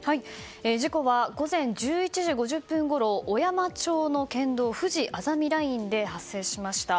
事故は午前１１時５０分ごろ小山町の県道ふじあざみラインで発生しました。